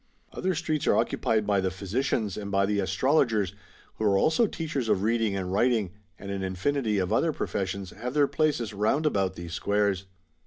* Other streets are occupied by the Physicians, and by the Astrologers, who are also teachers of reading and writing ; and an infinity of other professions have their places round about those squares.